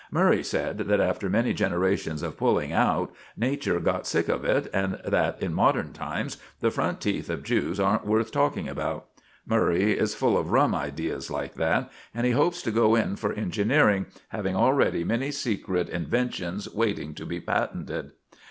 Murray said that after many generations of pulling out Nature got sick of it, and that in modern times the front teeth of Jews aren't worth talking about. Murray is full of rum ideas like that, and he hopes to go in for engineering, having already many secret inventions waiting to be patented.